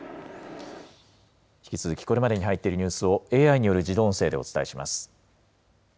引き続き、これまでに入っているニュースを、ＡＩによる自動音声でお伝えします。